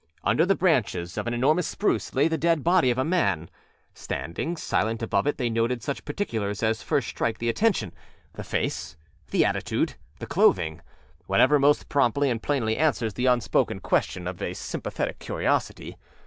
Under the branches of an enormous spruce lay the dead body of a man. Standing silent above it they noted such particulars as first strike the attentionâthe face, the attitude, the clothing; whatever most promptly and plainly answers the unspoken question of a sympathetic curiosity.